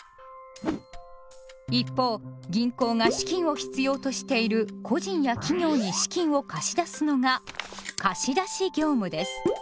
一方銀行が資金を必要としている個人や企業に資金を貸し出すのが「貸出業務」です。